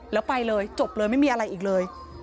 แล้วไปเลยจบเลยไม่มีอะไรอีกเลย